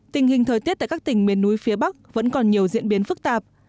tình hình thời tiết tại các tỉnh miền núi phía bắc vẫn còn nhiều diễn biến phức tạp